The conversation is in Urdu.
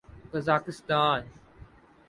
قزاخستان